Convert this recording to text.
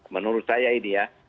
menurut saya ini ya